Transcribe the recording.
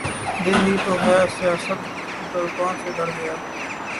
دل ہی تو ہے سیاست درباں سے ڈر گیا